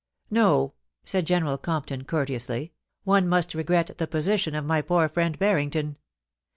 * No,' said General Compton, courteously ;* one must regret the position of my poor friend Harrington.